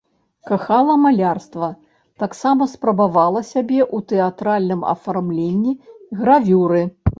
Кахала малярства, таксама спрабавала сябе ў тэатральным афармленні, гравюры.